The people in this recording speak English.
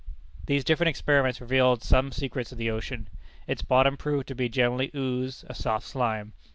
These different experiments revealed some secrets of the ocean. Its bottom proved to be generally ooze, a soft slime.